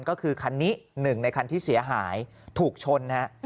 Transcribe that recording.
ก็คือคันนี้หนึ่งในคันที่เสียหายถูกชนฮะ